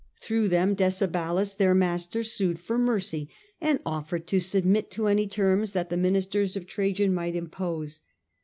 Through them Dece balus, their master, sued for mercy, and offered to submit to any terms that the ministers of Trajan might impose.